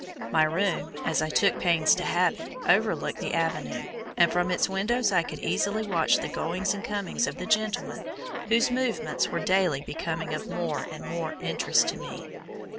My room, as I took pains to have it, overlooked the avenue, and from its windows I could easily watch the goings and comings of the gentleman whose movements were daily becoming of more and more interest to me.